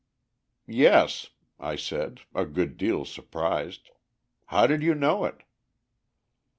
"Yes," I said, a good deal surprised. "How did you know it?"